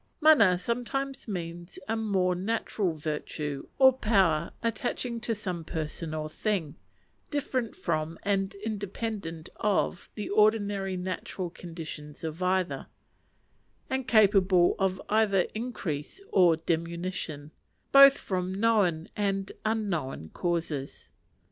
Mana sometimes means a more than natural virtue or power attaching to some person or thing, different from and independent of the ordinary natural conditions of either, and capable of either increase or diminution, both from known and unknown causes.